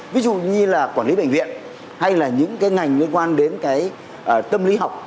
ví dụ như là quản lý bệnh viện hay là những cái ngành liên quan đến cái tâm lý học